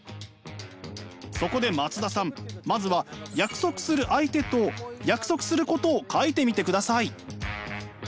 そこで松田さんまずは約束する相手と約束することを書いてみてください。